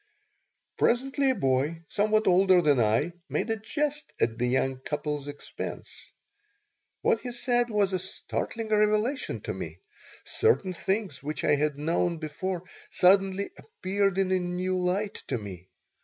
Presently a boy, somewhat older than I, made a jest at the young couple's expense. What he said was a startling revelation to me. Certain things which I had known before suddenly appeared in a new light to me.